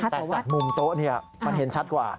แต่จากมุมโต๊ะมันเห็นชัดกว่า